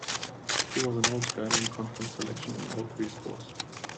He was an all-Skyline Conference selection in all three sports.